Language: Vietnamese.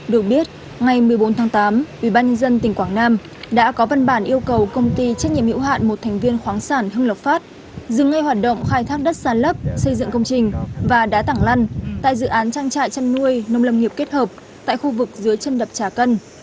được biết ngày một mươi bốn tháng tám ubnd tỉnh quảng nam đã có văn bản yêu cầu công ty trách nhiệm hiệu hạn một thành viên khoáng sản hưng lộc phát dừng ngay hoạt động khai thác đất sàn lấp xây dựng công trình và đá tảng lăn tại dự án trang trại chăn nuôi nông lâm nghiệp kết hợp tại khu vực dưới chân đập trà cân